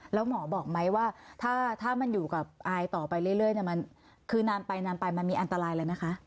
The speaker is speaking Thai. แล้วหมอบอกไหมว่าถ้ามันอยู่กับอายต่อไปเรื่อยคือนานไปมันมีอันตรายเลยนะคะ